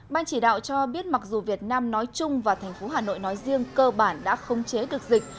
ban chỉ đạo cho biết mặc dù việt nam nói chung và thành phố hà nội nói riêng cơ bản đã không chế được dịch